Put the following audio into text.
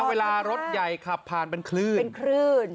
เวลารถใหญ่ขับผ่านเป็นคลื่น